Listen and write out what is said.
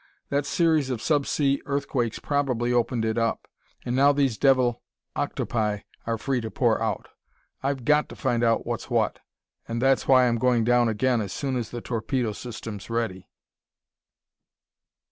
That series of sub sea earthquakes probably opened it up; and now these devil octopi are free to pour out. I've got to find out what's what, and that's why I'm going down again as soon as the torpedo system's ready!"